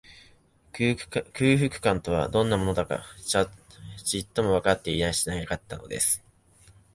空腹感とは、どんなものだか、ちっともわかっていやしなかったのです